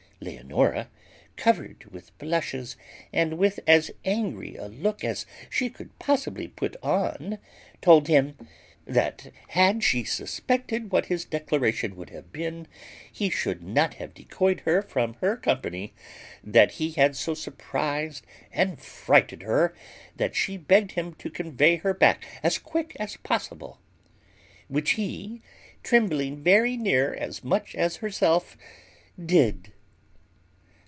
Leonora, covered with blushes, and with as angry a look as she could possibly put on, told him, "That had she suspected what his declaration would have been, he should not have decoyed her from her company, that he had so surprized and frighted her, that she begged him to convey her back as quick as possible;" which he, trembling very near as much as herself, did.